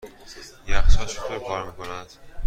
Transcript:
یخچال چطور کار میکند؟